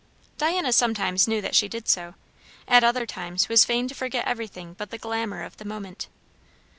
Diana sometimes knew that she did so; at other times was fain to forget everything but the glamour of the moment.